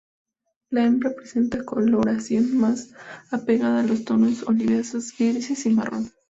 La hembra presenta coloración más apagada con tonos oliváceos, grises y marrón.